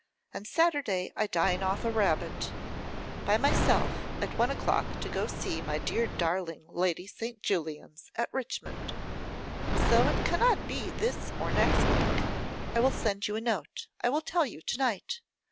And Saturday, I dine off a rabbit, by myself, at one o'clock, to go and see my dear darling Lady St. Julians at Richmond. So it cannot be this or next week. I will send you a note; I will tell you to night.